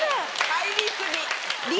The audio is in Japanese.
入り過ぎ。